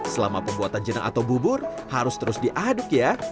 selama pembuatan jenang atau bubur harus terus diaduk ya